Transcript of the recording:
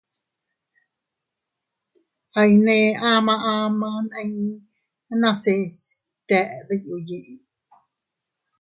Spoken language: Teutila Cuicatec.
Aiynee ama ama nii nase iyteʼe diyu yiʼi.